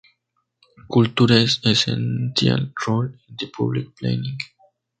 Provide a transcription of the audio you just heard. Culture’s Essential Role in Public Planning".